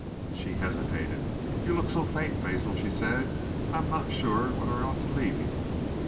She hesitated. "You look so faint, Basil," she said. "I am not sure whether I ought to leave you."